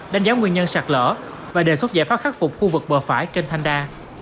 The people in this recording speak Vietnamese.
đánh giá nguyên nhân sạt lỡ và đề xuất giải pháp khắc phục khu vực bờ phải kênh thanh đa